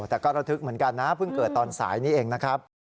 แต่ก็ระทึกเหมือนกันนะเพิ่งเกิดตอนสายนี้เองนะครับ